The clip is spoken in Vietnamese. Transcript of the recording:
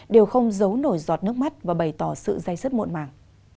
đều không giấu nổi giọt nước mắt và bày tỏ sự dây sứt mộn mảng